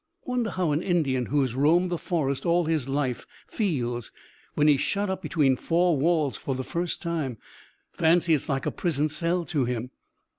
"Wonder how an Indian who has roamed the forest all his life feels when he's shut up between four walls for the first time." "Fancy it's like a prison cell to him."